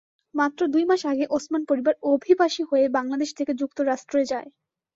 মাত্র দুই মাস আগে ওসমান পরিবার অভিবাসী হয়ে বাংলাদেশ থেকে যুক্তরাষ্ট্রে যায়।